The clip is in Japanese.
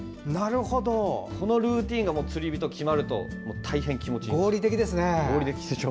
このルーチンが釣り人は決まると大変、気持ちがいいです。